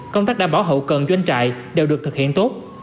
công tác đảm bảo hậu cần doanh trại đều được thực hiện tốt